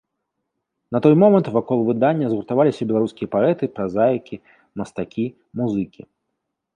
На той момант вакол выдання згуртаваліся беларускія паэты, празаікі, мастакі, музыкі.